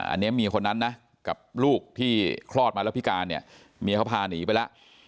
อันนี้เมียคนนั้นนะกับลูกที่คลอดมาแล้วพิการเนี่ยเมียเขาพาหนีไปแล้ว